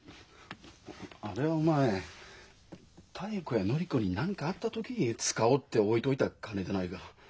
あれはお前妙子や法子に何かあった時に使おうって置いといた金でないか。